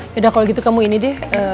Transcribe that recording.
yaudah kalau gitu kamu ini deh